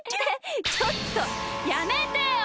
ちょっとやめてよ！